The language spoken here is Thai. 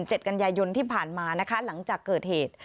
กันยายนที่ผ่านมานะคะหลังจากเกิดเหตุ